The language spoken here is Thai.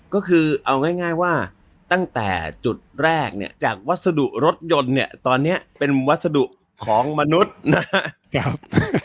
ก็คือเอาง่ายว่าตั้งแต่จุดแรกเนี่ยจากวัสดุรถยนต์เนี่ยตอนนี้เป็นวัสดุของมนุษย์นะครับ